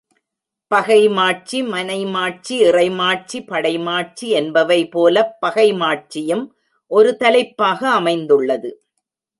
பகைமாட்சி மனைமாட்சி, இறைமாட்சி, படைமாட்சி என்பவை போலப் பகைமாட்சியும் ஒரு தலைப்பாக அமைந்துள்ளது.